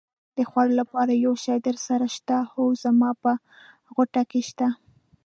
د خوړلو لپاره یو شی درسره شته؟ هو، زما په غوټه کې شته.